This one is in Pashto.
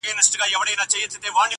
ښځه سوه په خوشالي کورته روانه -